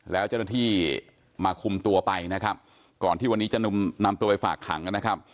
แล้วเจ้าหน้าที่มาคุมตัวไปนะครับก่อนที่วันนี้จะนำตัวไปฝากขังนะครับ